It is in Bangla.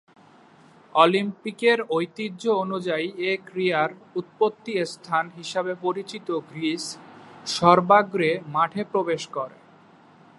অলিম্পিকের ঐতিহ্য অনুযায়ী এ ক্রীড়ার উৎপত্তি স্থান হিসেবে পরিচিত গ্রীস সর্বাগ্রে মাঠে প্রবেশ করে।